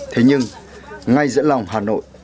thế nhưng ngay giữa lòng hà nội